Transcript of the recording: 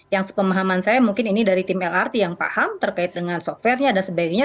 yang sepemahaman saya mungkin ini dari tim lrt yang paham terkait dengan software nya dan sebagainya